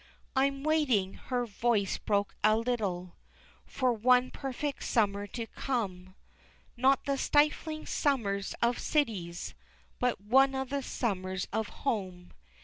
"I'm waiting," her voice broke a little, "For one perfect summer to come, Not the stifling summers of cities, But one of the summers of home.